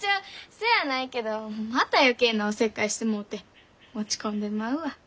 そやないけどまた余計なおせっかいしてもうて落ち込んでまうわ。